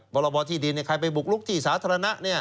บรบที่ดินใครไปบุกลุกที่สาธารณะ